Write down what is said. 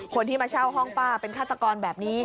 คนที่มาเช่าห้องป้าเป็นฆาตกรแบบนี้